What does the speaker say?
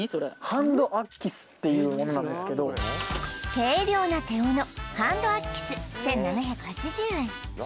ハンドアッキスっていうものなんですけど軽量な手斧ハンドアッキス１７８０円